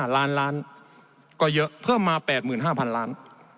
ล้านล้านก็เยอะเพิ่มมา๘๕๐๐๐ล้าน